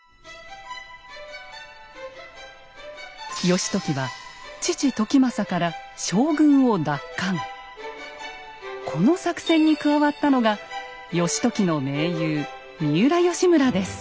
義時は父・時政からこの作戦に加わったのが義時の盟友三浦義村です。